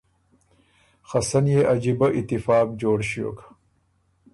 خه سن يې عجیبۀ اتفاق جوړ ݭیوک۔